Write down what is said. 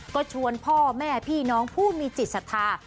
ก็ชวนพ่อแม่พี่น้องผู้มีจิตศรัทธา